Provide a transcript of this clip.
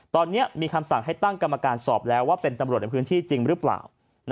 ตอนนี้มีคำสั่งให้ตั้งกรรมการสอบแล้วว่าเป็นตำรวจในพื้นที่จริงหรือเปล่า